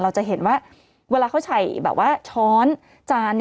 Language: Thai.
เราจะเห็นว่าเวลาเขาใส่แบบว่าช้อนจาน